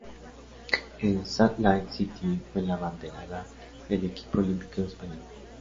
En Salt Lake City fue la abanderada del equipo olímpico español.